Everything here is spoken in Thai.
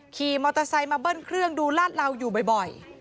ขี่มอเตอร์ไซค์มาเบิ้ลเครื่องดูลาดเหลาอยู่บ่อย